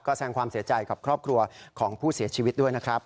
แสดงความเสียใจกับครอบครัวของผู้เสียชีวิตด้วยนะครับ